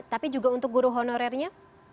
tapi juga untuk guru honorernya